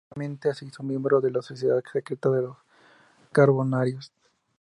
Paralelamente, se hizo miembro de la sociedad secreta de los Carbonarios.